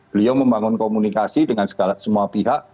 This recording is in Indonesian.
beliau membangun komunikasi dengan semua pihak